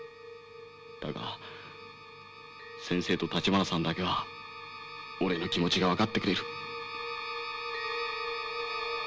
だが先生と立花さんだけは俺の気持ちが分かってくれる。